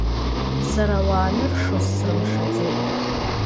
Сара ауаа аныршоз срымшаӡеит.